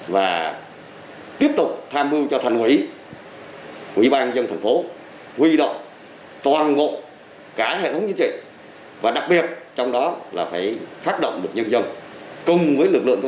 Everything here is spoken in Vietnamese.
và tiếp tục tham mưu cho thành quỷ quỷ ban dân thành phố huy động toàn bộ cả hệ thống chính trị và đặc biệt trong đó là phải phát động được nhân dân cùng với lực lượng công an và các lực lượng khác